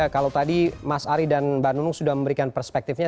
kalau tadi mas ari dan mbak nunung sudah memberikan perspektifnya